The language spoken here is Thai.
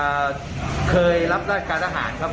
อ่าเคยรับราคาอาหารครับ